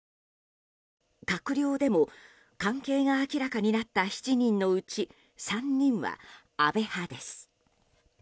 閣僚でも関係が明らかになった７人のうち３人は安倍派です。